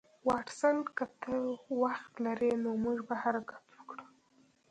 واټسن که ته وخت لرې نو موږ به حرکت وکړو